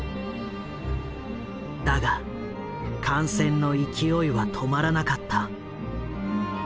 だが感染の勢いは止まらなかった。